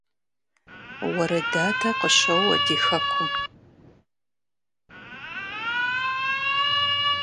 Уэрыдадэ къыщоуэ ди хэкум